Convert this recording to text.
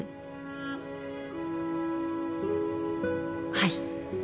はい